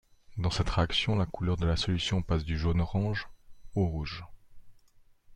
Dans cette réaction, la couleur de la solution passe du jaune-orange au rouge.